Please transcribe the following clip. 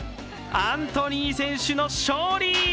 アントニー選手の勝利！